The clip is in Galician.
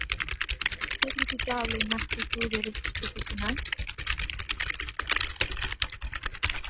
¿Que é criticable na actitude destes profesionais?